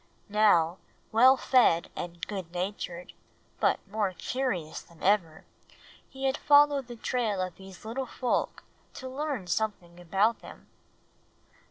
Now, well fed and good natured, but more curious than ever, he had followed the trail of these little folk to learn something about them.